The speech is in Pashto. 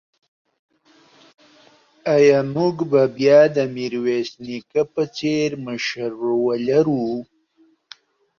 ایا موږ به بیا د میرویس نیکه په څېر مشر ولرو؟